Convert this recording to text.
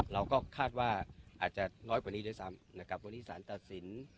เราก็คาดว่าอาจจะน้อยกว่านี้ด้วยซ้ำนะครับวันนี้สารตัดสิน